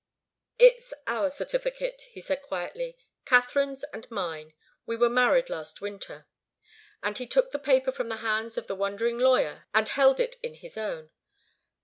"It's our certificate," he said, quietly. "Katharine's and mine. We were married last winter." And he took the paper from the hands of the wondering lawyer, and held it in his own.